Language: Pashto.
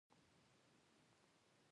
حج د اسلام پنځم او اساسې رکن دی .